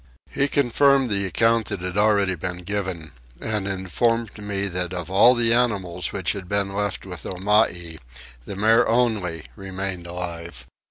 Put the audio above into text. He confirmed the account that had already been given and informed me that of all the animals which had been left with Omai the mare only remained alive.